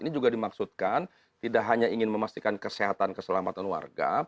ini juga dimaksudkan tidak hanya ingin memastikan kesehatan keselamatan warga